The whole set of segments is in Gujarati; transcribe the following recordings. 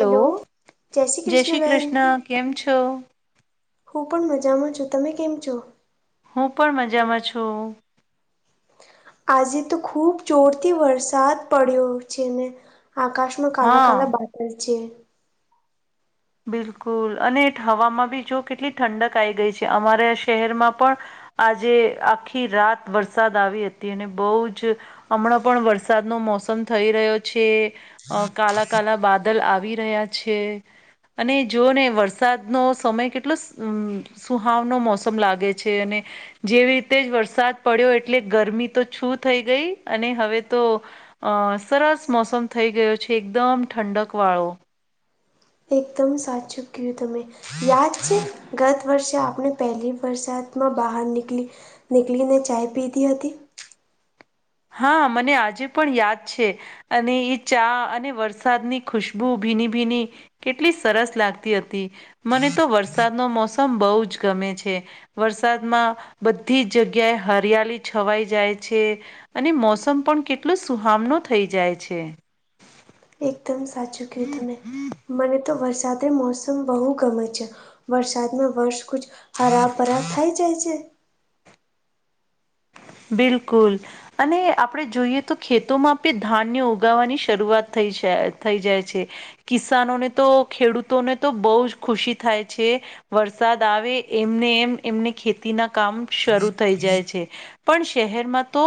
હલો જય શ્રી કૃષ્ણ બેેન. કૃષ્ણ કેમ છો હું પણ મજામાં છું તમે કેમ છો. હું પણ મજામાં છું. આજે તો ખુબ જોરથી વરસાદ પડ્યો છે, ને આકાશ. માં કાલા હા કાલા બાદલ છે. બિલકુલ અને થવામાં બી જો કેટલી ઠંડક આઈ ગઈ છે અમારા શહેરમાં પણ. આજે આખી રાત વરસાદ આવી હતી અને બહુ જ. હમણાં પણ વરસાદનો મોસમ થઈ રહ્યો છે. અ કાલા કાલા બાદલ આવી રહ્યા છે. અને જો ને વરસાદનો સમય કેટલો. સુહાવનો મોસમ લાગે છે અને. જેવી રીતે જ વરસાદ પડ્યો એટલે ગરમી તો છું થઈ ગઈ અને હવે તો. અ સરસ મોસમ થઈ ગયો છે એકદમ ઠંડક વાળો. એકદમ સાચું કયું તમે. યાદ છે ગત વર્ષે આપણે પહેલી વરસાદમાં બહાર નીકળી. નીકળીને ચાય પીધી હતી. હા મને આજે પણ યાદ છે. અને એ ચા અને વરસાદની ખુશબુ ભીની ભીની. કેટલી સરસ લાગતી હતી મને તો વરસાદ નો મોસમ બહુ જ ગમે છે. વરસાદમાં બધી જગ્યાએ હરિયાલી છવાઈ જાય છે. અને મોસમ પણ કેટલો સુહામનો થઈ જાય છે. એકદમ સાચું કયું તમેં મને તો વરસાદ મોસમ બહુ ગમે છે. વરસાદમાં વર્ષ કુજ હરાબ પરાબ થઇ જાય છે. બિલકુલ. અને આપડણે જોઈએ તો ખેતોમાં બી ધાન્ય ઉગાવાની શરૂઆત થઈ જ થઈ જાય છે. કિસાનોને તો ખેડૂતોને તો બહુ જ ખુશી થાય છે. વરસાદ આવે એમને એમ એમને ખેતીના કામ શરૂ થઈ જાય છે. પણ શહેરમાં તો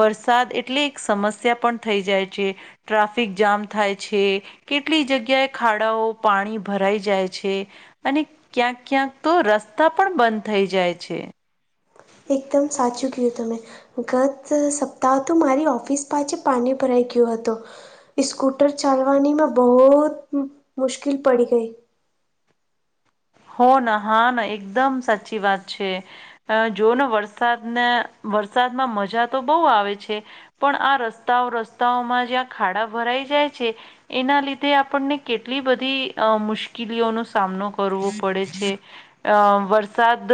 વરસાદ એટલે એક સમસ્યા પણ થઈ જાય છે. ટ્રાફિક જામ થાય છે. કેટલી જગ્યાએ ખાડાઓ પાણી ભરાઈ જાય છે. અને ક્યાંક ક્યાંક તો રસ્તા પણ બંધ થઈ જાય છે. એકદમ સાચું કીધું તમે. ગત સપ્તાહ તો મારી ઓફિસ પાસે પાણી ભરાઈ ગ્યું હતું. સ્સ્કૂટર ચાલવાનીમાં બહુત મુશ્કેલ પડી ગઈ. હો ના હા ના એકદમ સાચી વાત છે. જોને વરસાદને વરસાદમાં મજા તો બહુ આવે છે. પણ આ રસ્તાઓ રસ્તાઓમાં જ્યાં ખાડા ભરાઈ જાય છે. એના લીધે આપણને કેટલી બધી અ મુશ્કેલીઓનો સામનો કરવો. પડે છે અ વરસાદ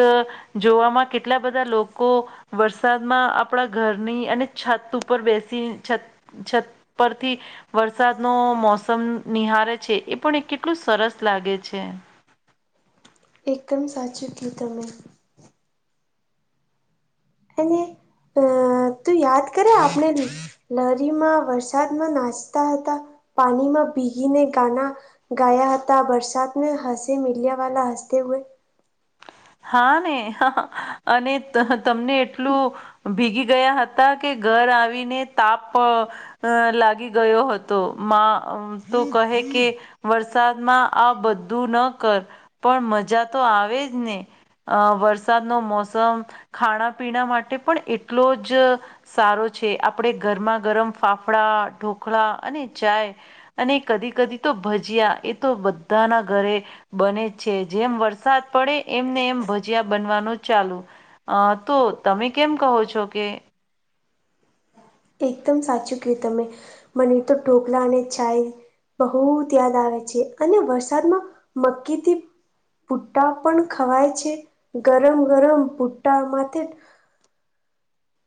જોવામાં કેટલા બધા લોકો. વરસાદમાં આપણા ઘરની અને છત ઉપર બેસી છત. છત પરથી. વરસાદ નું મોસમ નિહારે છે એ પણ કેટલું સરસ લાગે છે. એકદમ સાચું કીધું તમે. એને અ તું યાદ કરે આપણે ને. લરીમાં વરસાદમાં નાચતા હતા પાણીમાં ભીગીને ગાના. ગાયા હતા બરસાત મે હસી મલ્યા વા હસતે હુવે. હા ને અને તમને એટલું. ભીગી ગયા હતા કે ઘર આવીને તાપ. અ લાગી ગયો હતો માં તો કહે કે. વરસાદમાં આ બધું ન કર પણ મજા તો આવેજ ને. અ વરસાદનો મોસમ ખાણા પીણા માટે પણ એટલો જ. સારો છે આપણે ગરમા ગરમ ફાફડા ઢોકળા અને ચાય. અને કદી કદી તો ભજીયા એ તો બધાના ઘરે. બને છે જેમ વરસાદ પડે એમને એમ. ભજીયા બનવાનું ચાલુ, અ તો તમે કેમ કહો છો કે એકદમ સાચું કહ્યું તમે, મને તો ઢોકલા અને ચાય. બહુત યાદ આવે છે, અને વરસાદમાં મક્કિ થી ભુટ્ટા પણ ખવાય છે, ગરમ ગરમ ભુટ્ટા માથે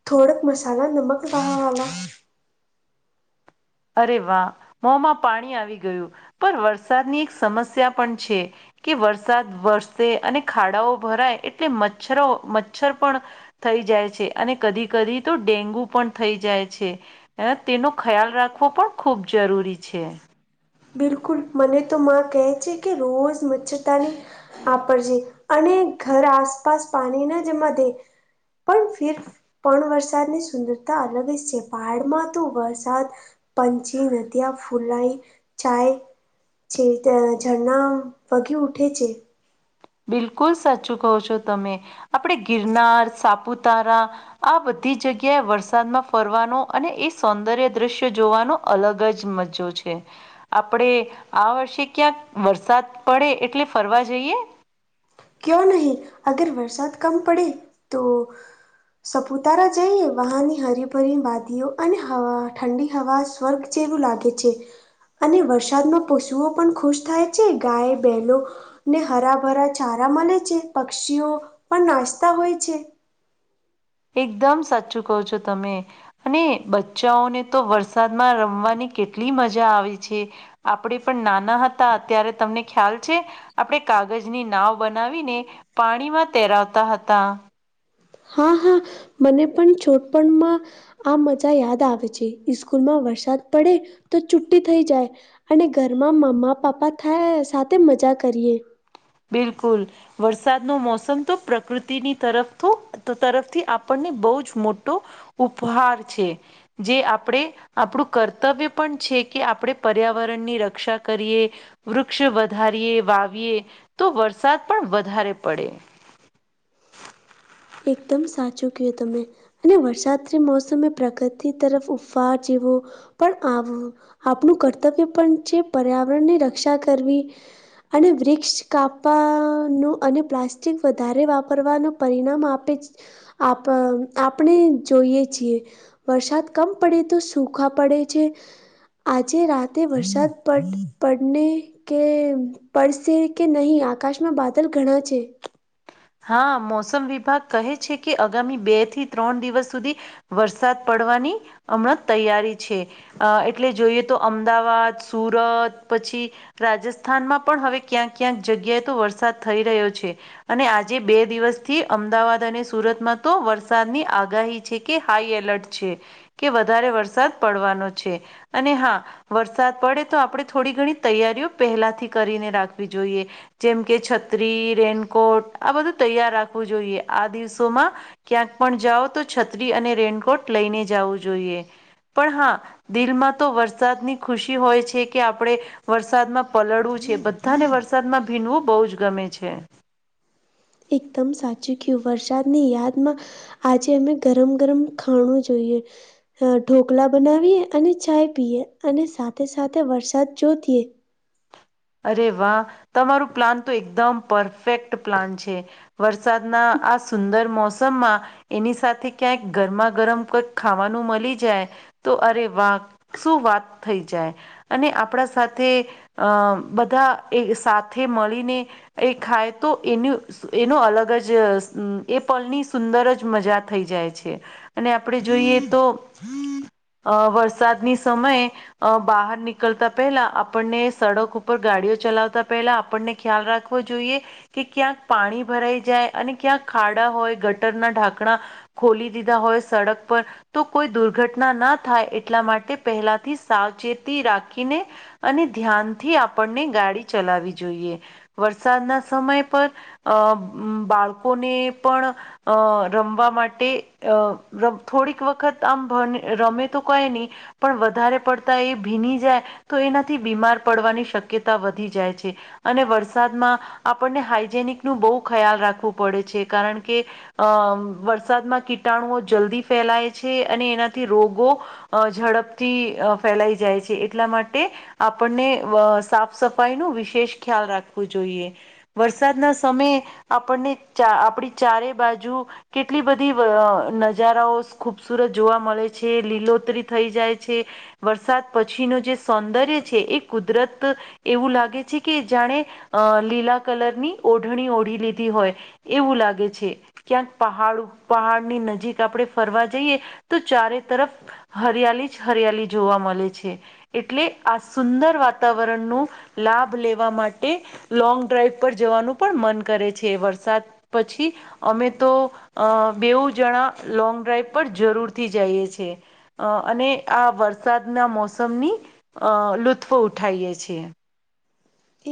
થોડક મસાલા, નમક લાવાલા અરે વાહ, મોંમાં પાણી આવી ગયું, પણ વરસાદની એક સમસ્યા પણ છે. કે વરસાદ વરસે, અને ખાડાઓ ભરાય, એટલે મચ્છરો મચ્છર પણ થઈ જાય છે, અને કદી કદી તો ડેન્ગુ પણ થઈ જાય છે. અ તેનુ ખ્યાલ રાખવો પણ ખૂબ જરૂરી છે. બિલકુલ મને તો મા કહે છે કે, રોજ મચ્છરતાની આપરજે, અને ઘર આસપાસ પાણીના જમા ધે પણ ફિર પણ વરસાદની સુંદરતા અલગ જ છે, પહાડમાં તો વરસાદ પંછી, નદીયા, ફુલાઈ. ચાય, છે રીતે ઝરણાં વગી ઉઠે છે. બિલકુલ સાચું કહો છો તમે, આપણેે ગિરનાર, સાપુતારા. આ બધી જગ્યાએ વરસાદમાં ફરવાનો, અને એ સૌંદર્ય દ્રશ્ય જોવાનો અલગ જ મજ્જો છે. આપણે આ વર્ષે ક્યાંક વરસાદ પડે એટલે ફરવા જઈએ? કયો નહીં, અગર વરસાત કમ પડે તો સપુતારા જઈએ, વહાની હરીભરી વાદીઓ, અને હવા ઠંડી હવા. વર્ગ જેવું લાગે છે. અને વરસાદમાં પશુઓ પણ ખુશ થાય છે, ગાય, બલો ને હરાભરા. ચારા મળે છે, પક્ષીઓ પણ નાચતા હોય છે. એકદમ સાચું કો છો તમે. અને બચ્ચાઓને તો વરસાદમાં રમવાની કેટલી મજા આવે છે. આપડે પણ નાના હતા, અત્યારે તમને ખ્યાલ છે. આપણે કાગજની નાવ બનાવીને, પાણીમાં તહેરાવતા હતા. હા હા, મને પણ છોડપણમાં આ મજા યાદ આવે છે, સ્કૂલમાં વરસાદ પડે તો છુટ્ટી થઈ જાય. અને ઘરમાં મમ્મા પાપ્પા થાય સાથે મજા કરીએ. બિલકુલ વરસાદ નો મોસમતો, પ્રકૃતિની તરફ તો તરફથી આપણને બહુ જ મોટો ઉપહાર છે, જે આપડે આપડુ કર્તવ્ય પણ છે, કે આપણે પર્યાવરણની રક્ષા કરીએ. વૃક્ષ વધારીએ, વાવીએ, તો વરસાદ પણ વધારે પડે. એકદમ સાચું કયુ તમે. અને વરસાદરી મોસમે પ્રગતિ તરફ ઉપફા જેવો. પણ આમ આપણું કર્તવ્ય પણ છે, પર્યાવરણ ની રક્ષા કરવી. અને વૃક્ષ કાપાનું અને પ્લાસ્ટિક વધારે વાપરવાનું પરિણામ આપ આપેજ આપ આપણે જોઈએ છીએ. વરસાદ કમ પડે તો સૂખા પડે છે. આજે રાતે વરસાદ પડ પડને. કે પડસે કે નહીં, આકાશમાં બાદલ ઘણા છે. હા મોસમ વિભાગ કહે છે કે, આગામી બે થી ત્રણ દિવસ સુધી વરસાદ પડવાની હમણાં તૈયારી છે. અ એટલે જોઈએ તો અમદાવાદ, સુરત પછી રાજસ્થાનમાં પણ હવે ક્યાંક ક્યાંક જગ્યાએ તો વરસાદ થઈ રહ્યો છે, અને આ જે બે દિવસથી અમદાવાદ અને સુરતમાં તો વરસાદની આગાહી છે, કે હાઈ એલર્ટ છે. કે વધારે વરસાદ પડવાનો છે, અને હા વરસાદ પડે તો આપણે થોડી ઘણી તૈયારીઓ પહેલાથી કરીને રાખવી જોઈએ. જેમ કે છત્રી રેનકોટ આ બધું તૈયાર રાખવું જોઈએ આ દિવસોમાં. ક્યાંક પણ જાઓ તો છત્રી અને રેનકોટ લઈને જવું જોઈએ પણ હા. દિલમાં તો વરસાદની ખુશી હોય છે કે આપણે. વરસાદમાં પલળવું છે બધાને વરસાદમાં ભીનવું બહુ જ ગમે છે. એકદમ સાચું કયું વરસાદની યાદમાં. આજે અમે ગરમ ગરમ ખાણું જોઈએ. ઢોકલા બનાવીએ અને ચાય પીએ અને સાથે સાથે વરસાદ જોતીએ. અરે વાહ તમારું પ્લાન તો એકદમ પરફેક્ટ પ્લાન છે. વરસાદના આ સુંદર મોસમમાં. એની સાથે ક્યાંક ગરમા ગરમ કોઈક ખાવાનું મળી જાય. તો અરે વા શું વાત થઈ જાય અને આપણા સાથે અ. બધા એ સાથે મળીને એ ખાય તો એનું. એનો અલગ જ એ પલની સુંદર જ મજા થઈ જાય છે. અને આપડે જોઈએ તો. અ વરસાદની સમયે અ બહાર નીકળતા પહેલા આપણને સડક ઉપર. ઉપર ગાડીઓ ચલાવતા પહેલા આપણને ખ્યાલ રાખવો જોઈએ. કે ક્યાંક પાણી ભરાઈ જાય અને ક્યાંક ખાડા હોય ગટરના ઢાંકણા. ખોલી દીધા હોય સડક પર. તો કોઈ દુર્ઘટના ના થાય એટલા માટે પહેલાથી સાવચેતી રાખીને. અને ધ્યાનથી આપણને ગાડી ચલાવી જોઈએ વરસાદના સમય પર. અ બાળકોને પણ અ રમવા માટે અ. ર થોડીક વખત આમ ભને રમે તો કઈ નહી. પણ વધારે પડતા એ ભીની જાય તો એનાથી બીમાર પડવાની શક્તિ. શક્યતા વધી જાય છે. અને વરસાદમાં આપણને હાઈજેનિક નું બહુ ખ્યાલ રાખવું પડે છે કારણ કે. અમ વરસાદમાં કીટાણુઓ જલ્દી ફેલાય છે અને એનાથી રોગો. અ ઝડપથી ફેલાઈ જાય છે એટલા માટે આપણને. સાફ સફાઈ નું વિશેષ ખ્યાલ રાખવું જોઈએ. વરસાદ ના સમયે આપણને ચા આપડી ચારે બાજુ. કેટલી બધી નજારાઓ ખૂબસૂરત જોવા મળે છે લીલોતરી થઈ જાય છે. વરસાદ પછી નું જે સૌંદર્ય છે એ કુદરત. એવું લાગે છે કે જાણે અ લીલા કલરની ઓઢણી ઓઢી લીધી હોય. એવું લાગે છે. ક્યાંક પહાડું પહાડની નજીક આપણે ફરવા જઈએ તો ચારે તરફ હરિયાલી જ હરિયાલી જોવા મળે છે એટલે આ સુંદર વાત વાતાવરણ નો લાભ લેવા માટે લોંગ ડ્રાઈવ પર જવાનું પણ મન કરે છે વરસાદ પછી અમે તો અ બેવું જણા લોંગ ડ્રાઈવ પર જરૂરથી જઈએ છીએ અ અને આ વરસાદના મોસમની અ [unintelligible] ઉઠાઈએ છીએ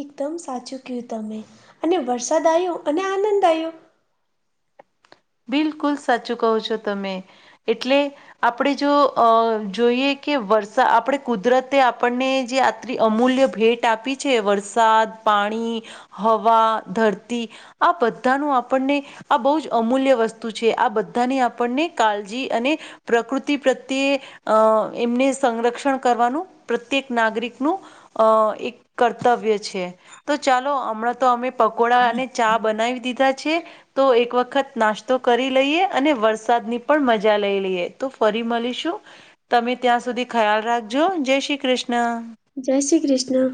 એકદમ સાચું કહું તમે અને વરસાદ આવ્યો અને આનંદ આવ્યો બિલકુલ સાચું કહો છો તમે એટલે આપણે જો અ જોઈએ કે વર્ષા આપણે કુદરતે આપણને જે અમૂલ્ય ભેટ આપી છે વરસાદ પાણી હવા ધરતી આ બધાનું આપણને આ બહુ જ અમૂલ્ય વસ્તુ છે આ બધાને આપણને કાળજી અને પ્રકૃતિ પ્રત્યે અ એમને સંરક્ષણ કરવાનું પ્રત્યેક નાગરિકનું અ એક કર્તવ્ય છે તો ચાલો હમણાં તો અમે પકોડા અને ચા બનાવી દીધા છે તો એક વખત નાસ્તા તો કરી લઈએ અને વરસાદની પણ મજા લઈ લઈએ તો ફરી મળીશું તમે ત્યાં સુધી ખ્યાલ રાખજો જય શ્રી કૃષ્ણ જય શ્રી કૃષ્ણ